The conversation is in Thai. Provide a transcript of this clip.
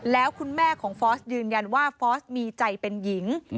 แล้วคุณแม่ของฟอสยืนยันว่าฟอร์สมีใจเป็นหญิง